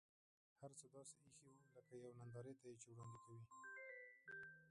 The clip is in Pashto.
هر څه داسې اېښي و لکه یوې نندارې ته یې چې وړاندې کوي.